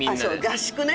合宿ね。